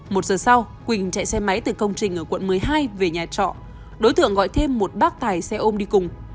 một giờ sau quỳnh chạy xe máy từ công trình ở quận một mươi hai về nhà trọ đối tượng gọi thêm một bác tài xe ôm đi cùng